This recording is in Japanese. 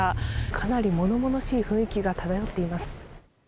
かなりものものしい雰囲気が漂っています。